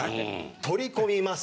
取り込みます。